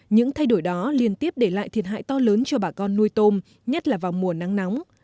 những thay đổi đó liên tiếp để lại thiệt hại to lớn cho bà con nuôi tôm nhất là vào mùa nắng nóng